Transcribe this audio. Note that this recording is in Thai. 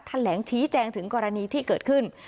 แถลงชี้แจงถึงกรณีที่เกิดขึ้น